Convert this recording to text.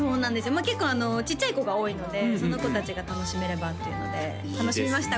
まあ結構ちっちゃい子が多いのでその子達が楽しめればっていうので楽しみました